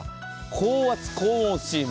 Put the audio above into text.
高圧・高温スチーム。